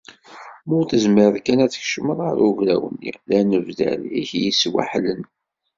Ma ur tezmireḍ kan ad tkecmeḍ ɣer ugraw-nni, d anedbal i k-yesweḥlen.